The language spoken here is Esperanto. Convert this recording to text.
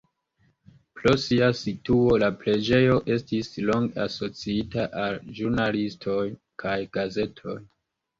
Pro sia situo, la preĝejo estis longe asociita al ĵurnalistoj kaj gazetoj.